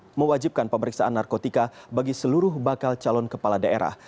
pemerintah mewajibkan pemeriksaan narkotika bagi seluruh bakal calon kepala daerah